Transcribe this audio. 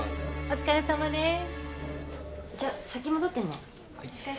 お疲れさまです。